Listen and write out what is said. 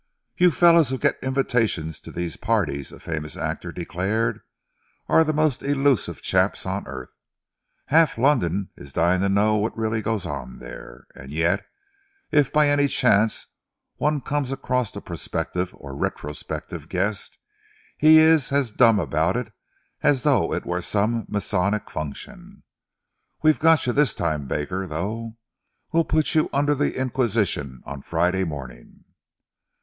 "You fellows who get invitations to these parties," a famous actor declared, "are the most elusive chaps on earth. Half London is dying to know what really goes on there, and yet, if by any chance one comes across a prospective or retrospective guest, he is as dumb about it as though it were some Masonic function. We've got you this time, Baker, though. We'll put you under the inquisition on Friday morning."